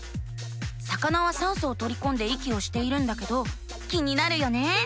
魚は酸素をとりこんで息をしているんだけど気になるよね。